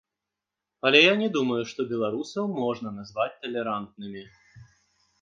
Але я не думаю, што беларусаў можна назваць талерантнымі.